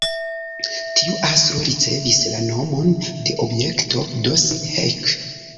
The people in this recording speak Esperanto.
Tiu astro ricevis la nomon de "Objekto Dossin-Heck".